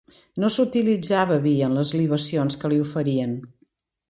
No s'utilitzava vi en les libacions que se li oferien.